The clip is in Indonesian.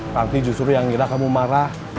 nanti justru yang gira kamu marah